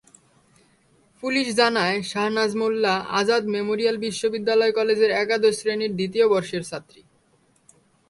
Police জানায়, Shahnaz Molla Azad memorial বিশ্ববিদ্যালয় কলেজের একাদশ শ্রেণির দ্বিতীয় বর্ষের ছাত্রী।